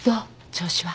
調子は。